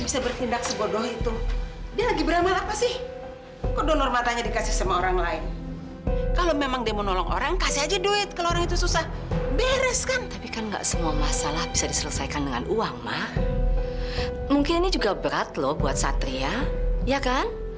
sampai jumpa di video selanjutnya